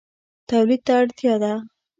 تولید ته اړتیا ده